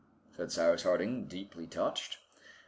said Cyrus Harding, deeply touched.